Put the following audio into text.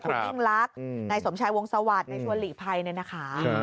คุณติ้งรักนายสมชายวงศวรรษ์ในชัวร์หลีไพรเนี่ยนะคะ